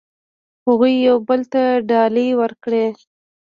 هغوی یو بل ته ډالۍ ورکړې.